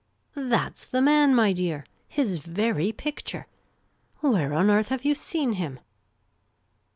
" That 's the man, my dear ! His very picture. Where on earth have you seen him